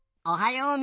おはよう！